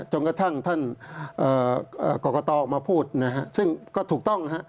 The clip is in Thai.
จนกระทั่งท่านกรกตออกมาพูดนะฮะซึ่งก็ถูกต้องฮะ